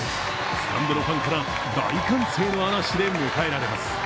スタンドのファンから大歓声の嵐で迎えられます。